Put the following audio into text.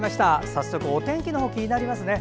早速お天気の方、気になりますね。